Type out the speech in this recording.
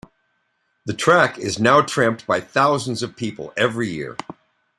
The track is now tramped by thousands of people every year.